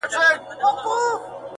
له اسمان مي ګيله ده،